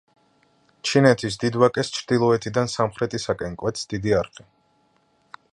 ჩინეთის დიდ ვაკეს ჩრდილოეთიდან სამხრეთისაკენ კვეთს დიდი არხი.